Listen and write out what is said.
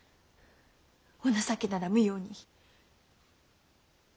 お情けなら無用に。